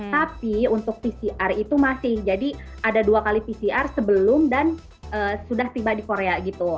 tapi untuk pcr itu masih jadi ada dua kali pcr sebelum dan sudah tiba di korea gitu